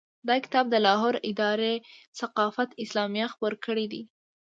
دا کتاب د لاهور اداره ثقافت اسلامیه خپور کړی دی.